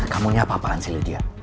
kamu nyapa apalan sih lydia